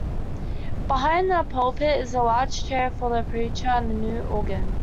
Behind the pulpit is a large chair for the preacher and the new organ.